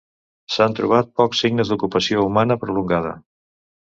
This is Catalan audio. S'han trobat pocs signes d'ocupació humana prolongada.